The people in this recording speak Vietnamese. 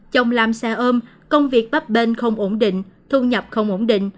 chồng làm xe ôm công việc bắp bên không ổn định thu nhập không ổn định